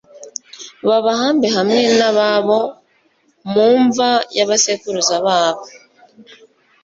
babahambe hamwe n'ababo mu mva y'abasekuruza babo